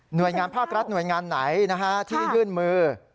โดยงานภาครัฐหน่วยงานไหนที่ยื่นมือ